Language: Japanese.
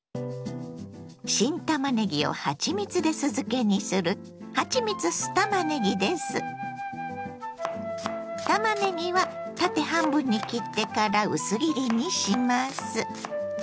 新たまねぎをはちみつで酢漬けにするたまねぎは縦半分に切ってから薄切りにします。